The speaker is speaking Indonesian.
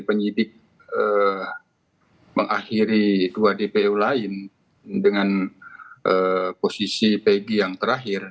penyidik mengakhiri dua dpo lain dengan posisi pg yang terakhir